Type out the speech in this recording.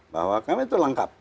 bahwa kami itu lengkap